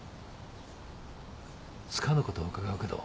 つかぬことを伺うけど。